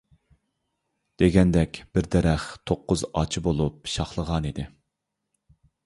دېگەندەك، بىر دەرەخ توققۇز ئاچا بولۇپ شاخلىغانىدى.